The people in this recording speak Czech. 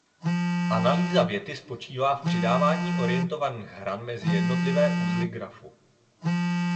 Analýza věty spočívá v přidávání orientovaných hran mezi jednotlivé uzly grafu.